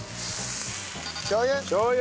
しょう油。